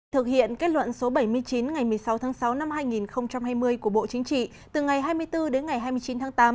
thực hiện kết luận số bảy mươi chín ngày một mươi sáu tháng sáu năm hai nghìn hai mươi của bộ chính trị từ ngày hai mươi bốn đến ngày hai mươi chín tháng tám